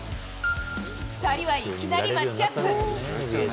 ２人はいきなりマッチアップ。